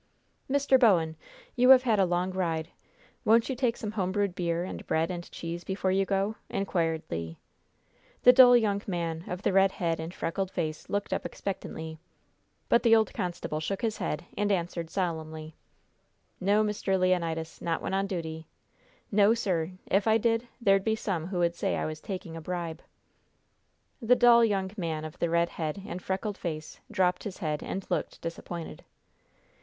"Mr. Bowen, you have had a long ride. Won't you take some home brewed beer and bread and cheese before you go?" inquired Le. The dull young man of the red head and freckled face looked up expectantly, but the old constable shook his head, and answered, solemnly: "No, Mr. Leonidas; not when on duty. No, sir. If I did, there be some who would say I was taking a bribe." The dull young man of the red head and freckled face dropped his head and looked disappointed.